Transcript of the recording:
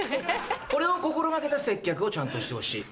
これを心掛けた接客をちゃんとしてほしい。